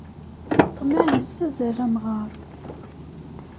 Ṭṭmeε yessazzal amɣar.